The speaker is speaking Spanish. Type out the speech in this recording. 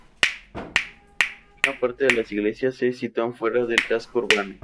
Buena parte de las iglesias se sitúan fuera del casco urbano.